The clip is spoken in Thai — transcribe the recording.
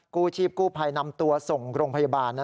กู้ชีพกู้ภัยนำตัวส่งโรงพยาบาล